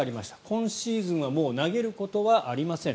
今シーズンはもう投げることはありません。